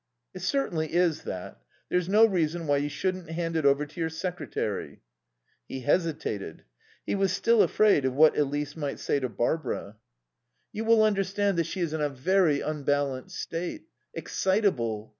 "It certainly is that. There's no reason why you shouldn't hand it over to your secretary." He hesitated. He was still afraid of what Elise might say to Barbara. "You will understand that she is in a very unbalanced state. Excitable.